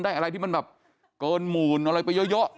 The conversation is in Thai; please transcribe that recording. อะไรที่มันแบบเกินหมื่นอะไรไปเยอะ